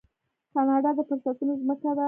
کاناډا د فرصتونو ځمکه ده.